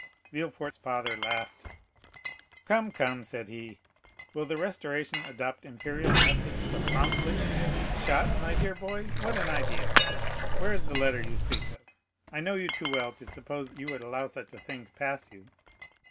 Villefort's father laughed. "Come, come," said he, "will the Restoration adopt imperial methods so promptly? Shot, my dear boy? What an idea! Where is the letter you speak of? I know you too well to suppose you would allow such a thing to pass you."